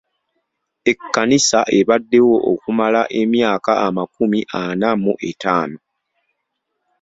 Ekkanisa ebaddewo okumala emyaka amakumi ana mu etaano.